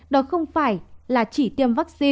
đó không phải là chỉ tiêm vaccine